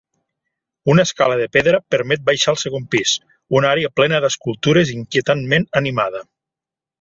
Una escala de pedra permet baixar al segon pis, una àrea plena d'escultures inquietantment animada.